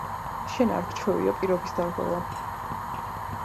შენ არ გჩვევია პირობის დარღვევა